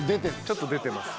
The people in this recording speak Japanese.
ちょっと出てます。